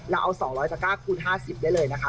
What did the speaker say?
เราเอา๒๐๐ตะก้าคูณ๕๐ได้เลยนะคะ